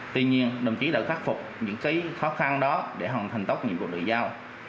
tuy nhiên đồng chí đã khắc phục những khó khăn đó để hoàn thành tốt nhiệm vụ được giao